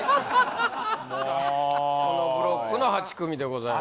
もうこのブロックの８組でございます